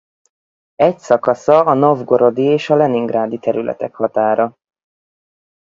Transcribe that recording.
Egy szakasza a Novgorodi és a Leningrádi területek határa.